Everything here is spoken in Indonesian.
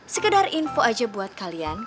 sekedar info aja buat kalian